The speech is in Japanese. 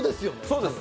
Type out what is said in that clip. そうです。